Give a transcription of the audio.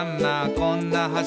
こんな橋」